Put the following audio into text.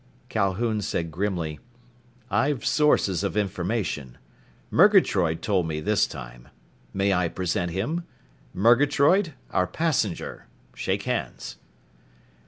Calhoun said grimly, "I've sources of information. Murgatroyd told me this time. May I present him? Murgatroyd, our passenger. Shake hands."